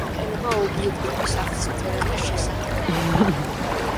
კლასი გამოიყენება ობიექტების აღსაწერად და შესაქმნელად.